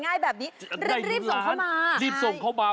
คาถาที่สำหรับคุณ